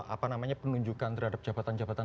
apa namanya penunjukan terhadap jabatan jabatan